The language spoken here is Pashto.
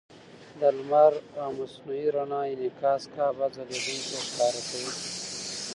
د لمر او مصنوعي رڼا انعکاس کعبه ځلېدونکې ښکاره کوي.